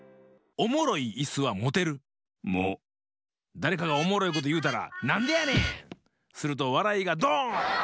だれかがおもろいこというたら「なんでやねん！」。するとわらいがドーン！